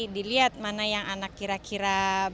dilihat mana yang anak kira kira